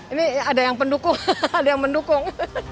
ini ada yang pendukung ada yang mendukung